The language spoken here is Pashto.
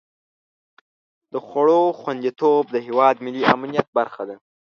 د خوړو خوندیتوب د هېواد ملي امنیت برخه ده.